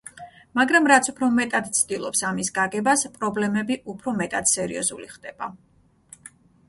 მაგრამ რაც უფრო მეტად ცდილობს ამის გაგებას, პრობლემები უფრო მეტად სერიოზული ხდება.